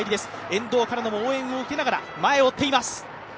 沿道からも応援を受けながら前を追っています。